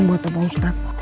buat bapak ustadz